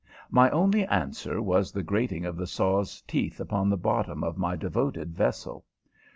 My only answer was the grating of the saw's teeth upon the bottom of my devoted vessel.